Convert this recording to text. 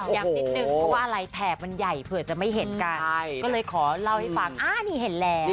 นิดนึงเพราะว่าอะไรแถบมันใหญ่เผื่อจะไม่เห็นกันใช่ก็เลยขอเล่าให้ฟังอ่านี่เห็นแล้ว